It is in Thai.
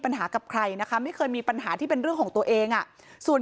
กับใครนะคะไม่เคยมีปัญหาที่เป็นเรื่องของตัวเองอ่ะส่วน